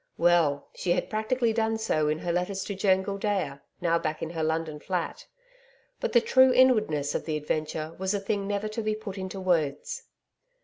Well, she had practically done so in her letters to Joan Gildea now back in her London flat. But the true inwardness of the adventure was a thing never to be put into words.